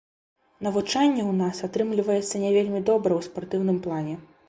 Навучанне ў нас атрымліваецца не вельмі добрае ў спартыўным плане.